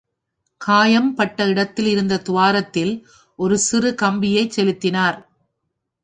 காயம் பட்ட இடத்திலிருந்த துவாரத்தில் ஒரு சிறு கம்பியைச் செலுத்தினார்.